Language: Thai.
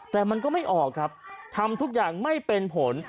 แต่มันก็ไม่ออกครับทำทุกอย่างไม่เป็นผล